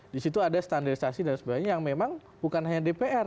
di situ ada standarisasi dan sebagainya yang memang bukan hanya dpr